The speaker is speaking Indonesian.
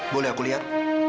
boleh aku lihat